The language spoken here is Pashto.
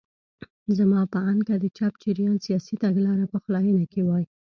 زما په اند که د چپ جریان سیاسي تګلاره پخلاینه کې وای.